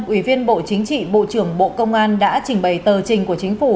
ủy viên bộ chính trị bộ trưởng bộ công an đã trình bày tờ trình của chính phủ